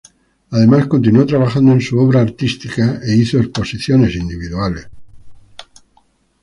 Además continuó trabajando en su obra artística e hizo Exposiciones Individuales.